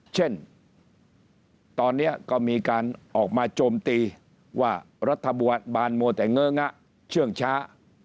เช่นตอนนี้ก็มีการออกมาโจมตีว่ารัฐบาลบานมัวแต่เงองะเชื่องช้า